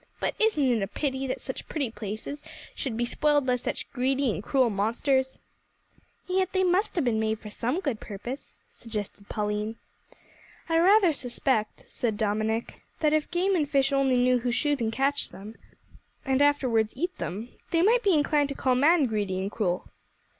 But isn't it a pity that such pretty places should be spoiled by such greedy and cruel monsters?" "And yet they must have been made for some good purpose," suggested Pauline. "I rather suspect," said Dominick, "that if game and fish only knew who shoot and catch them, and afterwards eat them, they might be inclined to call man greedy and cruel."